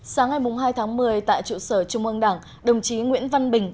sáng ngày hai tháng một mươi tại trụ sở trung ương đảng đồng chí nguyễn văn bình